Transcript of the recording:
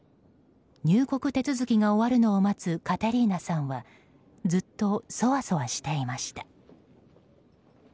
入国手続きが終わるのを待つカテリーナさんはずっとそわそわしていました。